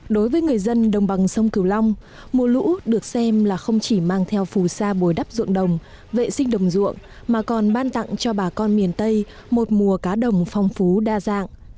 đối với người dân đồng bằng sông cửu long mùa lũ được xem là không chỉ mang theo phù sa bồi đắp ruộng đồng vệ sinh đồng ruộng mà còn ban tặng cho bà con miền tây một mùa cá đồng phong phú đa dạng